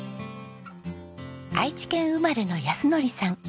愛知県生まれの靖憲さん。